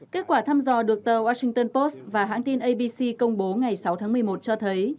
kết quả thăm dò được tờ washington post và hãng tin abc công bố ngày sáu tháng một mươi một cho thấy